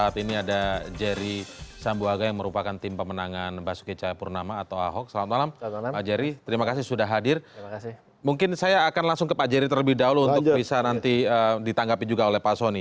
terima kasih untuk bisa nanti ditanggapi juga oleh pak soni